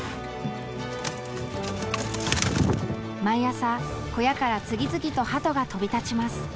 毎朝小屋から次々と鳩が飛び立ちます。